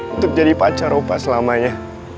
untuk jadi pacar oba selamanya